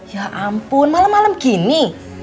ya ampun malem malem gini